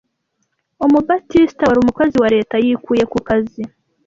Umubatisita wari umukozi wa leta yikuye kukazi